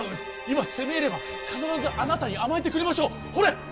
今攻め入れば必ずあなたに甘えてくれましょうほれ！